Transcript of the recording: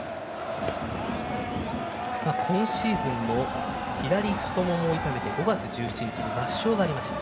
今シーズンも左太ももを痛めて５月１７日に末梢がありました。